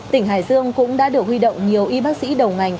tỉnh hải dương cũng đã được huy động nhiều y bác sĩ đầu ngành